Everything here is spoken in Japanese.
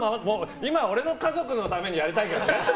今、俺の家族のためにやりたいけどね。